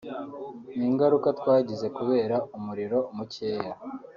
ni ingaruka twagize kubera umuriro mukeya